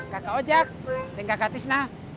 kakak ojek dan kakak tisna